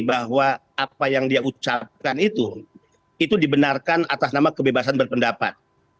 bahwa apa yang dia ucapkan itu itu dibenarkan atas nama kebebasan berpendapat